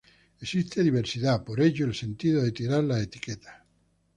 Existe diversidad, por ello el sentido de tirar las etiquetas.